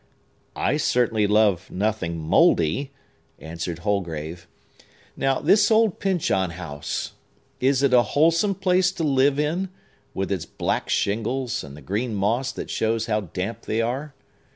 "I certainly love nothing mouldy," answered Holgrave. "Now, this old Pyncheon House! Is it a wholesome place to live in, with its black shingles, and the green moss that shows how damp they are?